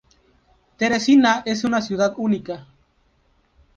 Teresina es una ciudad única.